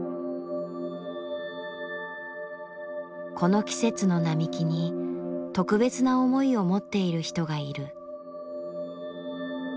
この季節の並木に特別な思いを持っている人がいる。